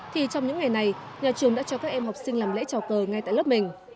thì trong những ngày này nhà trường đã cho các em học sinh làm lễ trào cờ ngay tại lớp mình